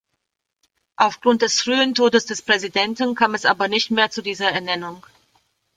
Aufgrund des frühen Todes des Präsidenten kam es aber nicht mehr zu dieser Ernennung.